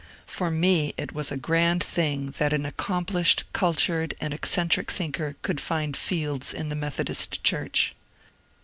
For me it was a grand thing that an accomplished, cultured, and eccentric thinker could find fields in the Methodist Church.